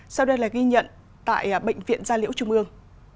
sau đây là ghi nhận tại bệnh viện gia liễu trung ương